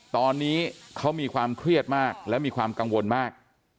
ตอนนี้เขามีความเครียดมากและมีความกังวลมาก